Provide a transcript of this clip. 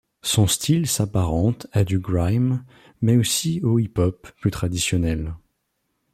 Son style s'apparente à du grime, mais aussi au hip-hop plus traditionnel.